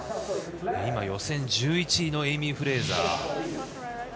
今、予選１１位のエイミー・フレイザー。